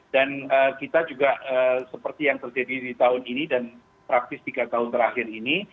dan kita juga seperti yang terjadi di tahun ini dan praktis tiga tahun terakhir ini